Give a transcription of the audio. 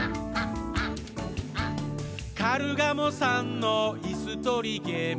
「カルガモさんのいすとりゲーム」